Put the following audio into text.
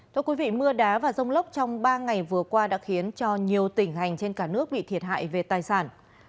thưa quý vị mưa đá và rông lốc trong ba ngày vừa qua đã khiến cho nhiều tỉnh hành trên cả nước bị thiệt hại về tài sản